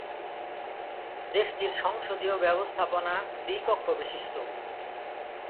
দেশটির সংসদীয় ব্যবস্থাপনা দ্বি-কক্ষবিশিষ্ট।